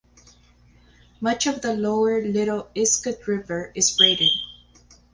Much of the lower Little Iskut River is braided.